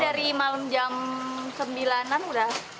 dari malam jam sembilan an udah